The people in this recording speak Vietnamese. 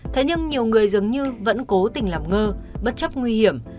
thế nhưng nhiều người dường như vẫn cố tình làm ngơ bất chấp nguy hiểm